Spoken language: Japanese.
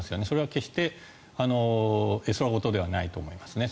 それは決して絵空事ではないと思います。